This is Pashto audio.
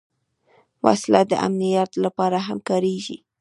وسله د امنیت لپاره هم کارېږي